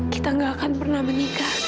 kita gak akan pernah menikah